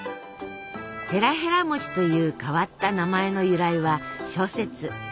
「へらへら餅」という変わった名前の由来は諸説。